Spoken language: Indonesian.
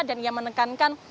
dan ia menekankan